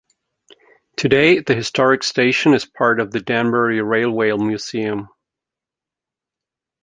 Today, the historic station is part of the Danbury Railway Museum.